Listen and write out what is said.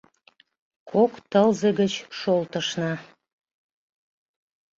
Кок тылзе гыч шолтышна.